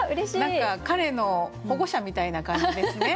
何か彼の保護者みたいな感じですね。